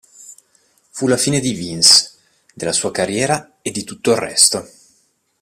Fu la fine di Vince, della sua carriera e di tutto il resto.